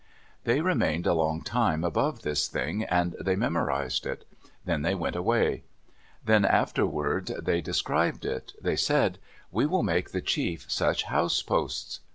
They remained a long time above this thing, and they memorized it. Then they went away. Then afterward they described it. They said, "We will make the chief such house posts."